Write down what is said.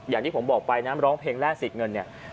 อย่างที่ผมบอกไปนะร้องเพลงแรกสิทธิ์เงินเนี่ย